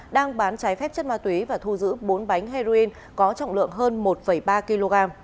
đang bán trái phép chất ma túy và thu giữ bốn bánh heroin có trọng lượng hơn một ba kg